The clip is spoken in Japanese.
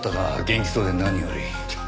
元気そうで何より。